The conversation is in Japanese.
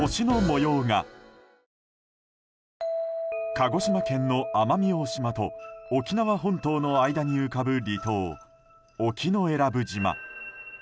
鹿児島県の奄美大島と沖縄本島の間に浮かぶ離島沖永良部島。